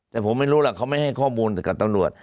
แต่ผมไม่รู้ล่ะเขาไม่ให้ข้อมูลกับตำรวจ